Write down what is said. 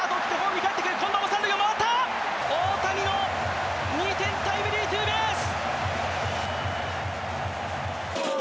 大谷の２点タイムリーツーベース。